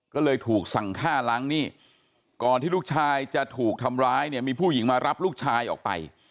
ก็เลยถูกสั่งฆ่าล้างหนี้ก่อนที่ลูกชายจะถูกทำร้ายเนี่ยมีผู้หญิงมารับลูกชายออกไป